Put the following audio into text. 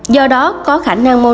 do đó có khả năng monopiravir